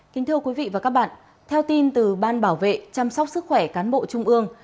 kính thưa quý vị và các bạn theo tin từ ban bảo vệ chăm sóc sức khỏe cán bộ trung ương